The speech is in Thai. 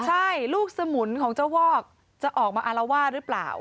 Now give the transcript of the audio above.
ใช่ลูกสมุนของเจ้าวอกจะออกมาอารวาสหรือเปล่า